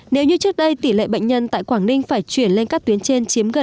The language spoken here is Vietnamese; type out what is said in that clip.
nếu như trước đây tỷ lệ bệnh nhân tại quảng ninh phải chuyển lên các tuyến trên chiếm gần